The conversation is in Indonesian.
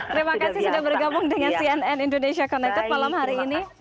terima kasih sudah bergabung dengan cnn indonesia connected malam hari ini